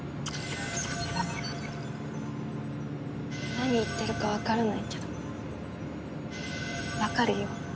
何言ってるかわからないけどわかるよ。